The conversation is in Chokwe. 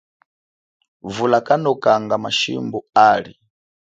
Vula kanokanga mashimbu ali.